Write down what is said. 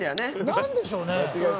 なんでしょうね？